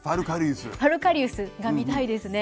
ファルカリウスが見たいですね。